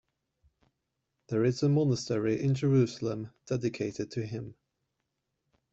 There is a monastery in Jerusalem dedicated to him.